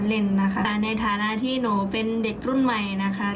แล้วขอขอบของพี่พิธีกรทั้งสามท่านนะคะ